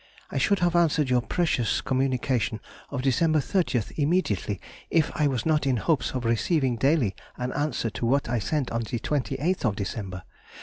I should have answered your precious communication of December 30th immediately if I was not in hopes of receiving daily an answer to what I sent on the 28th December.